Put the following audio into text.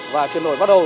và chuyển đổi bắt đầu